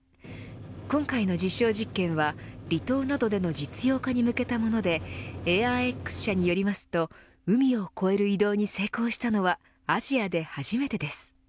今回の実証実験は離島などでの実用化に向けたものでＡｉｒＸ社によりますと海を越える移動に成功したのはアジアで初めてです。